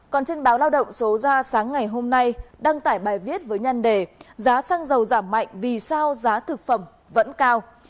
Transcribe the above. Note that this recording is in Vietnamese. còn trên báo lao động số ra sáng ngày hôm nay đăng tải bài viết với nhân đề giá xăng dầu giảm mạnh vì sao giá thực phẩm vẫn cao